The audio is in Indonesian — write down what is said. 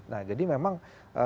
nah jadi memang